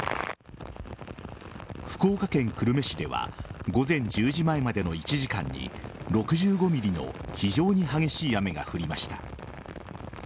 福岡県久留米市では午前１０時前までの１時間に６５ｍｍの非常に激しい雨が降りました。